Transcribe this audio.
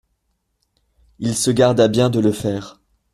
Il se garda bien de le faire.